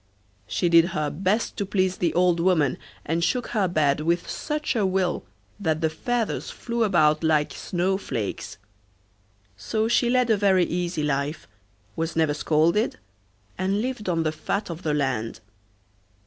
She did her best to please the old woman, and shook her bed with such a will that the feathers flew about like snow flakes; so she led a very easy life, was never scolded, and lived on the fat of the land.